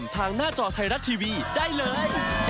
ไทรัตทีวีได้เลย